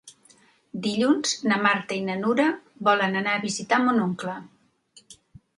Dilluns na Marta i na Nura volen anar a visitar mon oncle.